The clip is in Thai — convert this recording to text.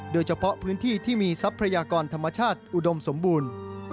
โดยเฉพาะพื้นที่ที่มีทรัพยากรธรรมชาติอุดมสมบูรณ์